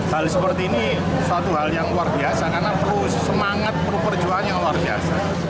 hal seperti ini satu hal yang luar biasa karena semangat perjuangannya luar biasa